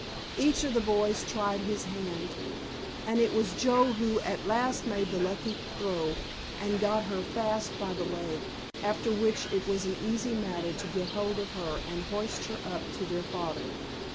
Each of the boys tried his hand, and it was Joe who at last made the lucky throw, and got her fast by the leg, after which it was an easy matter to get hold of her and hoist her up to their father.